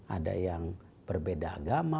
ada yang berbeda agama